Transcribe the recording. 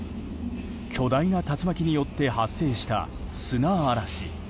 巨大な竜巻によって発生した砂嵐。